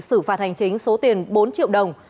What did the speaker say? xử phạt hành chính số tiền bốn triệu đồng